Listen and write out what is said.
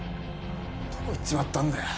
どこ行っちまったんだよ。